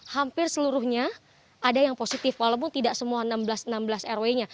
hampir seluruhnya ada yang positif walaupun tidak semua enam belas enam belas rw nya